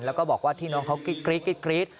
แล้วก็บอกว่าที่น้องเขากรี๊ด